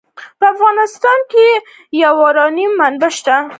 په افغانستان کې د یورانیم منابع شته.